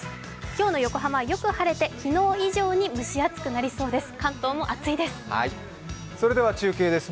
今日の横浜はよく晴れて、昨日以上に蒸し暑くなりそうです。